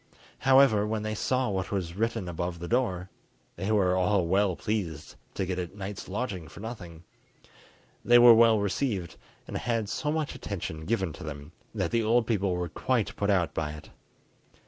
However, when they saw what was written above the door, they were all well pleased to get a night's lodging for nothing. They were well received, and had so much attention given to them, that the old people were quite put out by it.